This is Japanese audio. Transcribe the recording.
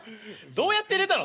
どうやって入れたの？